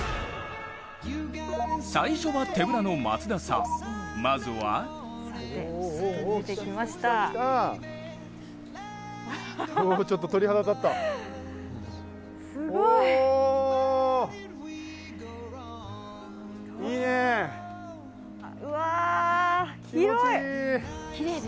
最初は手ぶらの松田さん、まずは広い！